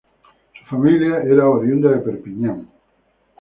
Su familia era oriunda de Perpiñán.